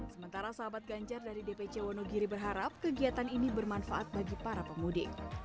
sementara sahabat ganjar dari dpc wonogiri berharap kegiatan ini bermanfaat bagi para pemudik